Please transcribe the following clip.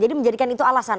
jadi menjadikan itu alasan